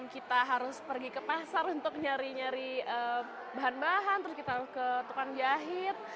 kita harus pergi ke pasar untuk nyari nyari bahan bahan terus kita ke tukang jahit